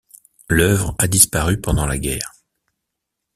L’œuvre a disparu pendant la guerre.